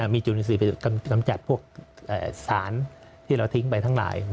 มีจุลินทรีย์ลำจัดพวกสารที่เราทิ้งบันทึกทั้งหลาย